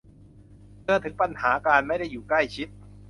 เตือนถึงปัญหาการไม่ได้อยู่ใกล้ชิด